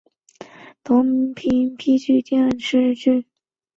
同名评剧电视剧